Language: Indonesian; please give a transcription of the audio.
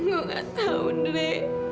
gue gak tahu nure